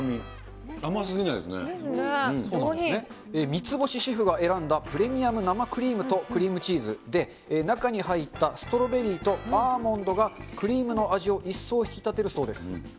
三ツ星シェフが選んだプレミアム生クリームとクリームチーズで、中に入ったストロベリーとアーモンドが、クリームの味を一層引き立てるそうです。